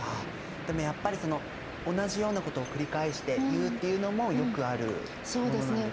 でもやっぱりその同じようなことを繰り返して言うっていうのもよくあるものなんですよね。